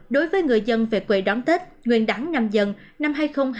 đối với người dân về quỳ đón tết nguyên đáng năm dần năm hai nghìn hai mươi hai